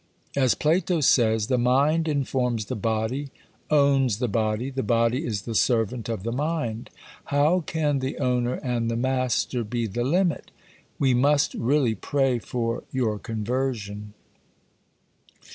As Plato says: the mind informs the body, owns the body, the body is the servant of the mind. How can the owner and the master be the limit? We must really pray for your conversion....